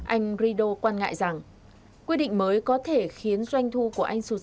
anh rido quan ngại rằng quy định mới có thể khiến doanh thu của anh xuất sắc